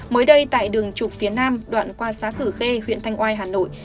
mới đây tại đường trục phía nam đoạn qua xá cử khê huyện thanh oai hà nội